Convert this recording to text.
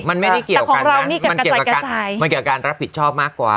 มันไม่ได้เกี่ยวกันนะมันเกี่ยวกับมันเกี่ยวกับการรับผิดชอบมากกว่า